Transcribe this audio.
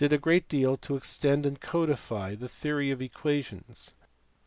_ 1 deal to extend and codify the theory of equations.